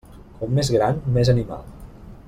Com més gran, més animal.